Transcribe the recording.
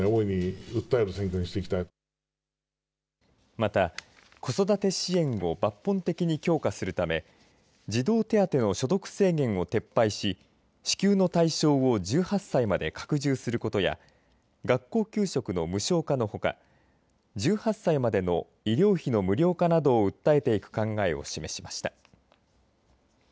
また、子育て支援を抜本的に強化するため児童手当の所得制限を撤廃し支給の対象を１８歳まで拡充することや学校給食の無償化のほか１８歳までの医療費の無料化などを訴えていく考えを示しました。